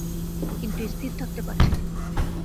কিন্তু, স্থির থাকতে পারছি নে।